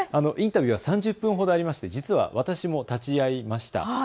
インタビューは３０分ほどありまして実は私も立ち会いました。